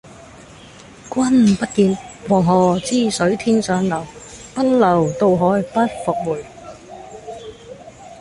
君不見，黃河之水天上來，奔流到海不復回。